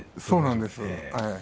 そうなんです。